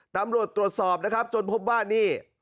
ตำรวจตรวจสอบนะครับจนพบว่านี่